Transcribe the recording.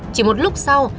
chỉ một lúc sau